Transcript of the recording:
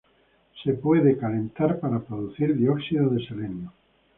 Se puede calentar para producir dióxido de selenio.